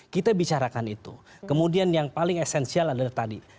kita bicarakan itu kemudian yang paling esensial adalah tadi